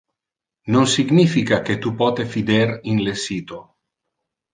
non significa que tu pote fider in le sito